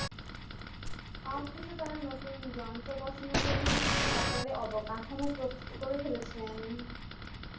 অথচ তারা নতুন যন্ত্র বসানোর জন্য হাসপাতালে অবকাঠামো প্রস্তুত করে ফেলেছেন।